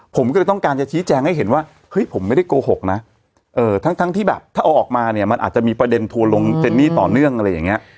ผมก็เลยต้องการจะชี้แจงให้เห็นว่าเฮ้ยผมไม่ได้โกหกนะทั้งที่แบบถ้าเอาออกมาเนี่ยมันอาจจะมีประเด็นทัวร์ลงเจนนี่ต่อเนื่องอะไรอย่างเงี้ย